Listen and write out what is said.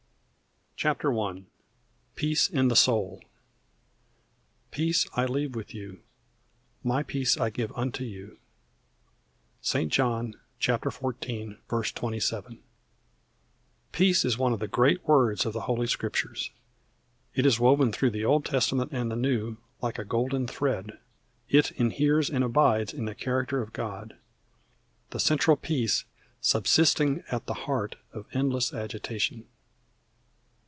THE POWER OF AN ENDLESS LIFE I Peace in the Soul Peace I leave with you: my peace I give unto you. ST. JOHN 14:27. Peace is one of the great words of the Holy Scriptures. It is woven through the Old Testament and the New like a golden thread. It inheres and abides in the character of God, "The central peace subsisting at the heart Of endless agitation."